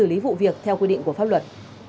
xử lý vụ việc theo quy định của pháp luật